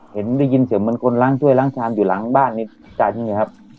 เห็นได้ยินเสียงเหมือนคนล้างถ้วยล้างชามอยู่หลังบ้านนี่ตายที่นี่ครับ